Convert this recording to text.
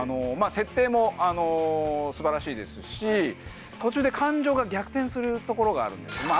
設定も素晴らしいですし途中で感情が逆転するところがあるんです。